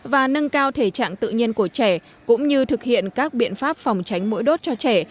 và nâng cao thể trạng tự nhiên của trẻ cũng như thực hiện các biện pháp phòng tránh mũi đốt cho trẻ